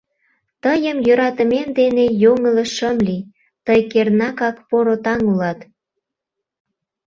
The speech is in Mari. Тыйым йӧратымем дене йоҥылыш шым лий: тый кернакак поро таҥ улат.